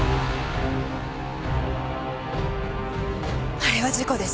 あれは事故です。